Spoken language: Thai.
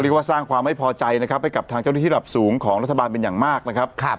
เรียกว่าสร้างความไม่พอใจนะครับให้กับทางเจ้าหน้าที่ระดับสูงของรัฐบาลเป็นอย่างมากนะครับ